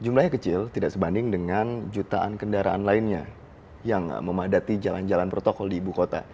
jumlahnya kecil tidak sebanding dengan jutaan kendaraan lainnya yang memadati jalan jalan protokol di ibu kota